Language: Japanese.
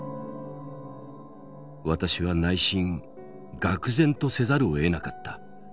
私は内心がく然とせざるをえなかった。